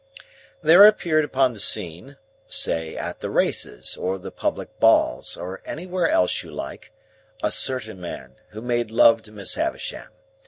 "There appeared upon the scene—say at the races, or the public balls, or anywhere else you like—a certain man, who made love to Miss Havisham.